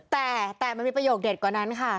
แต่แต่มันมีประโยคเด็ดกว่านั้นค่ะ